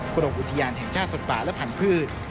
ประโลกอุทิญาณแห่งชาติสัตว์ป่าและผันพืช